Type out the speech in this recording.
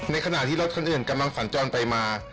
ขณะที่รถคนอื่นกำลังสัญจรไปมา